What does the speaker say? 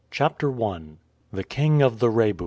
CHAPTER I. THE KING OF THE REBU.